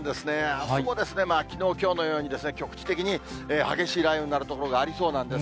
あすも、きのう、きょうのように、局地的に激しい雷雨になる所がありそうなんです。